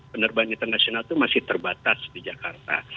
penerbangan internasional itu masih terbatas di jakarta